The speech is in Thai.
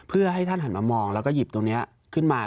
เพื่อให้ท่านหันมามองแล้วก็หยิบตรงนี้ขึ้นมา